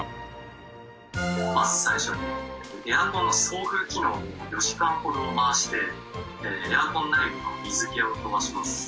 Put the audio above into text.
まず最初にエアコンの送風機能を４時間ほど回してエアコン内部の水気を飛ばします。